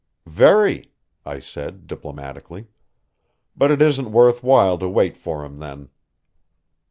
"Very," I said diplomatically; "but it isn't worth while to wait for him, then."